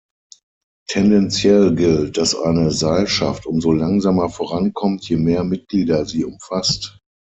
Tendenziell gilt, dass eine Seilschaft umso langsamer vorankommt, je mehr Mitglieder sie umfasst.